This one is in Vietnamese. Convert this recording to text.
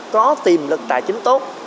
có tiềm lực tài chính tốt